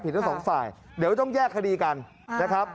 ทั้งสองฝ่ายเดี๋ยวต้องแยกคดีกันนะครับ